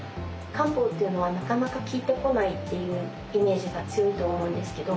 漢方っていうのはなかなか効いてこないっていうイメージが強いと思うんですけど